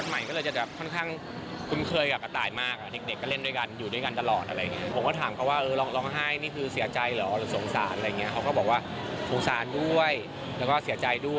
วันใหม่ก็เลยจะค่อนข้างคุ้มเคยกับปัจจ์มึงมากอะเด็กก็เล่นอยู่ด้วยกันตลอดอะไรอย่างงี้